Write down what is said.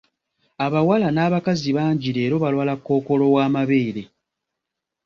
Abawala n'abakazi bangi leero balwala Kkookolo w'amabeere.